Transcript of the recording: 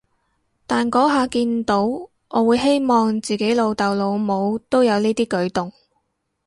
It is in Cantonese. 但嗰下見到，我會希望自己老豆老母都有呢啲舉動